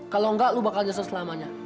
kalau nggak lo bakal nyesel selamanya